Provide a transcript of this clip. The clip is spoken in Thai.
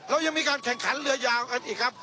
เรายังมีการแข่งขันเรือยาวกันอีกครับ